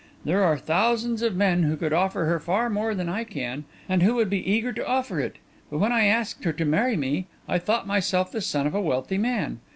There are thousands of men who could offer her far more than I can, and who would be eager to offer it. But when I asked her to marry me, I thought myself the son of a wealthy man.